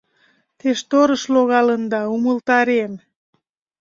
— Те штормыш логалында, — умылтарем.